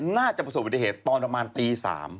น่าจะประสบปลอดภัยตอนประมาณตี๓